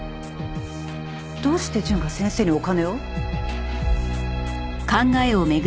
どうして純が先生にお金を？